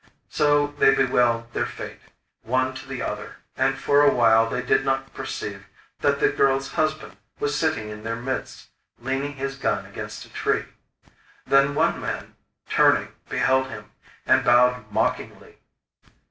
So they bewailed their fate, one to the other, and for a while they did not perceive that the girl's husband was sitting in their midst, leaning his gun against a tree. Then one man, turning, beheld him, and bowed mockingly.